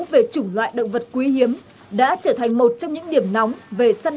về các loài động vật hoàng giã